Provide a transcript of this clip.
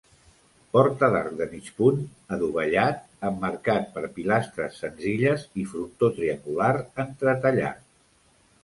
Porta d'arc de mig punt, adovellat, emmarcat per pilastres senzilles i frontó triangular entretallat.